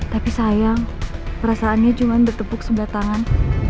tapi sayang perasaannya cuma bertepuk sebelah tangan